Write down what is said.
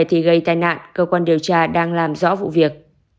vì tai nạn cơ quan điều tra đang làm rõ vụ việc